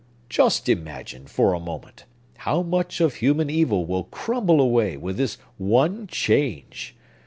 Just imagine, for a moment, how much of human evil will crumble away, with this one change!